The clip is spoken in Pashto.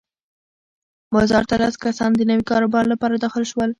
بازار ته لس کسان د نوي کاروبار لپاره داخل شول.